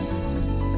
ini kan di pekanbaru